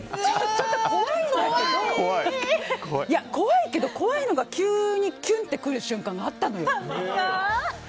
ちょっと怖いけど怖いのが急に急にキュンってくる瞬間があったのよ。